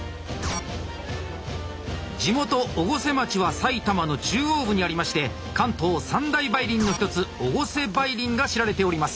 地元越生町は埼玉の中央部にありまして関東三大梅林の一つ越生梅林が知られております。